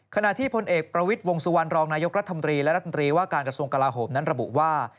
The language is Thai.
ขณะที่พลเอกประวิทย์วงสุวรรณรองนายกรัฐมนตรีและรัฐมนตรีว่าการกระทรวงกลาโหมนั้นระบุว่า